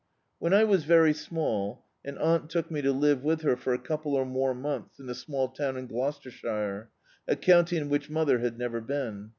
When I was very small an aunt took me to live with her for a couple or more m<Hiths in a small town in Gloucestershire, a county in which mother had never been.